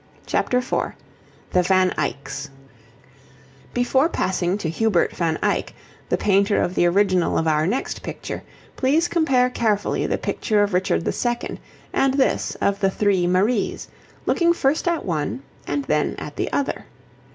CHAPTER IV THE VAN EYCKS Before passing to Hubert van Eyck, the painter of the original of our next picture, please compare carefully the picture of Richard II. and this of the Three Maries, looking first at one and then at the other.